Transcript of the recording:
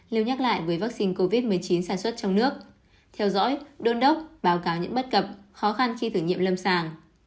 lưu nhắc lại với vaccine covid một mươi chín sản xuất trong nước theo dõi đôn đốc báo cáo những bất cập khó khăn khi thử nghiệm lâm sàng